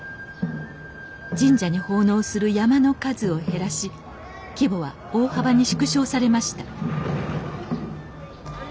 神社に奉納する山車の数を減らし規模は大幅に縮小されました